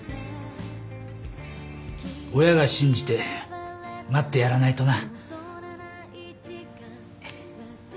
親が信じて待ってやらないとな。